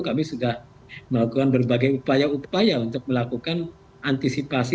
kami sudah melakukan berbagai upaya upaya untuk melakukan antisipasi